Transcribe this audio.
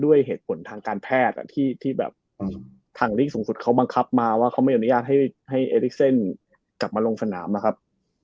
ด้วยเหตุผลทางการแพทย์ที่แบบทางลีกสูงสุดเขาบังคับมาว่าเขาไม่อนุญาตให้เอลิกเซนกลับมาลงสนามนะครับ